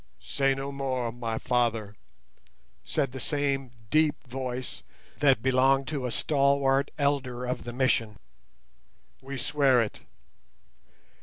"Say no more, my father," said the same deep voice, that belonged to a stalwart elder of the Mission; "we swear it.